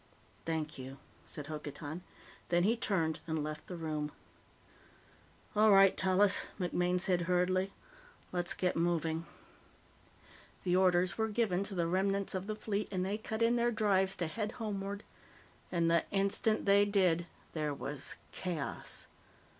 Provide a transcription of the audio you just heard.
"Thank you," said Hokotan. Then he turned and left the room. "All right, Tallis," MacMaine said hurriedly, "let's get moving." The orders were given to the remnants of the Fleet, and they cut in their drives to head homeward. And the instant they did, there was chaos.